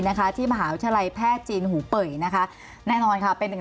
นะคะที่มหาวิทยาลัยแพทย์จีนหูเป่ยนะคะแน่นอนค่ะเป็นหนึ่ง